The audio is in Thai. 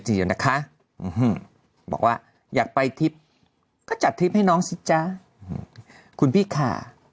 บอกว่าอยากไปทริปก็จัดทริปให้น้องสิจ๊ะคุณพี่ค่ะ